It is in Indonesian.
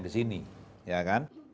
kita pindahin ke sini